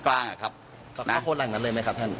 เพราะคนหลังนั้นเลยไหมครับท่าน